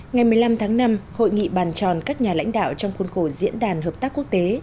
ngày một mươi năm tháng năm hội nghị bàn tròn các nhà lãnh đạo trong khuôn khổ diễn đàn hợp tác quốc tế